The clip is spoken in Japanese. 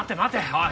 おい。